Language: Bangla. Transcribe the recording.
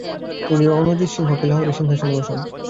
তিনি রণজিৎ সিংকে লাহোরের সিংহাসনে বসান।